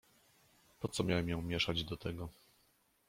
"Po co miałem ją mieszać do tego?"